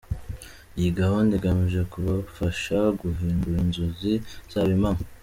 Iyi gahunda igamije kubafasha guhindura inzozi zabo impamo.